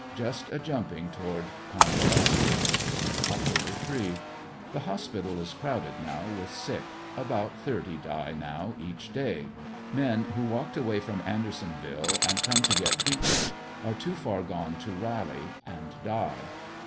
Just a jumping toward convalescence. Oct \\.— The hospital is crowded now with sick; about thirty die now each day. Men who walked away from Andersonville, and come to get treatment, are too far gone to rally, and die.